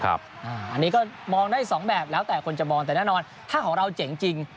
อันนี้ก็มองได้สองแบบแล้วแต่คนจะมองแต่แน่นอนถ้าของเราเจ๋งจริง